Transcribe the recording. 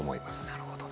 なるほど。